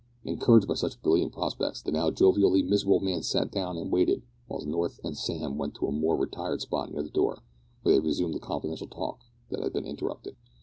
Encouraged by such brilliant prospects, the now jovially miserable man sat down and waited while North and Sam went to a more retired spot near the door, where they resumed the confidential talk that had been interrupted.